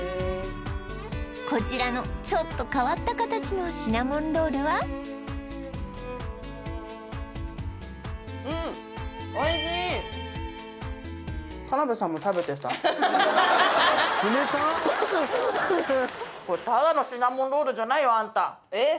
こちらのちょっと変わった形のシナモンロールはうんあんたえっ？